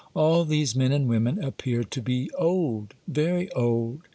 All these men and women appear to be old, very old.